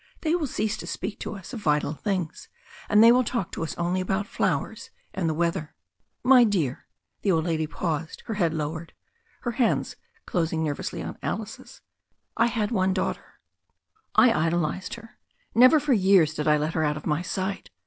They will cease to speak to us of vital things, and they will talk to us only about flowers and the weather." "My dear" — the old lady paused, her head lowered, her hands closing nervously on Alice's — ^"I had one daughter. I idolized her — ^never for years did I let her out of my sight.